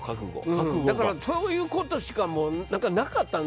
そういうことしかなかったの。